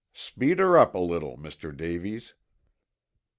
"Speed her up a little, Mr. Davies."